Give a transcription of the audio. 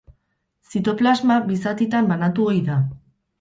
Zitoplasma bi zatitan banatu ohi da.